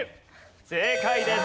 正解です。